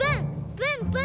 プンプン！